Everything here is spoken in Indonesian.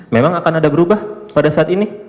memang akan ada berubah pada saat ini